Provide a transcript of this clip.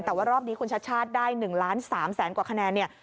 แต่ว่ารอบนี้คุณชัดชาติได้๑ล้าน๓แสนกว่าคะแนนเนี่ย